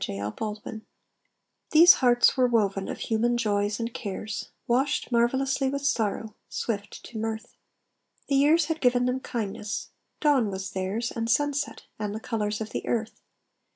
THE DEAD These hearts were woven of human joys and cares, Washed marvellously with sorrow, swift to mirth. The years had given them kindness. Dawn was theirs, And sunset, and the colours of the earth.